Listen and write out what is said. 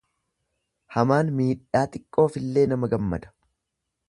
Hamaan miidhaa xiqqoofillee nama gammada.